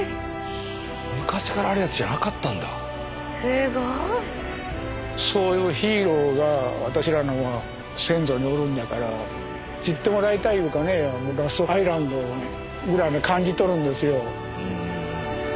すごい！そういうヒーローが私らの先祖におるんやから知ってもらいたいいうかねラストアイランドぐらいに感じとるんですよ。